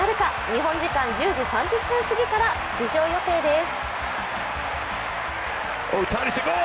日本時間１０時３０分すぎから出場予定です。